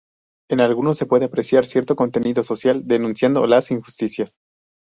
En algunos se puede apreciar cierto contenido social, denunciando las injusticias.